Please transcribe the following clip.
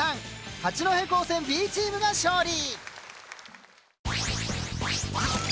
八戸高専Ｂチームが勝利！